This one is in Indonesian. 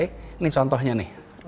ini contohnya nih